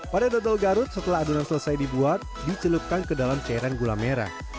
pada dodol garut setelah adonan selesai dibuat dicelupkan ke dalam cairan gula merah